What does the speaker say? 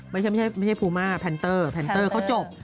ไม่ใช่ภูม่าแพนเตอร์เขาจบ